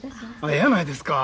えやないですか。